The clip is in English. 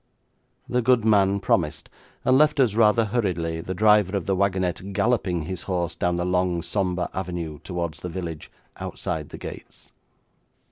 The good man promised, and left us rather hurriedly, the driver of the wagonette galloping his horse down the long, sombre avenue towards the village outside the gates.